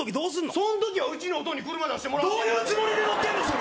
そんときは、うちのおとんに車出してもらうどういうつもりで乗ってんのそれ！